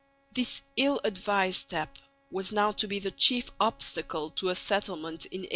This ill advised step was now to be the chief obstacle to a settlement in 1831.